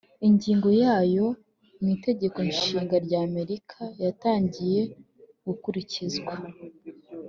Ingingo ya yo mu itegeko nshinga rya Amerika yatangiye gukurikizwa